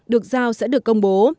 được giao sẽ được công bố